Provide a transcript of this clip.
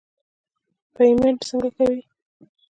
پیمنټ څنګه کوې.